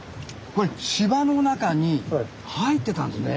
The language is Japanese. これ柴の中に入ってたんですね。